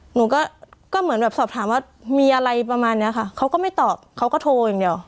หนูก็เหมือนแบบสอบถามว่ามีอะไรประมาณเนี้ยค่ะเขาก็ไม่ตอบเขาก็โทรอย่างเดียว